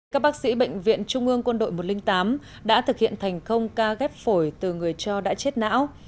các bác sĩ bệnh viện trung ương quân đội một trăm linh tám đã thực hiện thành công ca ghép phổi từ người cho đã chết não